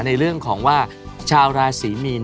ในเรื่องของว่าชาวราศีมีน